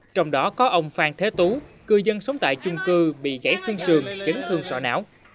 trong đó có ông phan thế tú cư dân sống tại chung cư bị gãy xương xường chấn thương sọ não